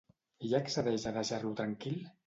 Ella accedeix a deixar-lo tranquil?